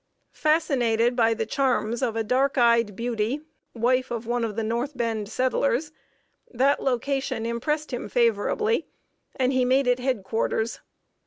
Fascinated by the charms of a dark eyed beauty wife of one of the North Bend settlers that location impressed him favorably, and he made it head quarters.